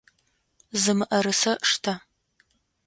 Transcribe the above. Зы мыӏэрысэ штэ!